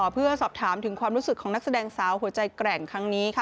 เพื่อสอบถามถึงความรู้สึกของนักแสดงสาวหัวใจแกร่งครั้งนี้ค่ะ